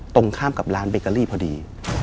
ตรงข้ามกับร้านเบเกอรี่พอดี